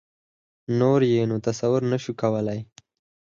نور یې نو تصور نه شو کولای.